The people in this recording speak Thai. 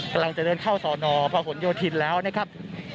กำลังจะเดินเข้าสอนอพหนโยธินแล้วนะครับ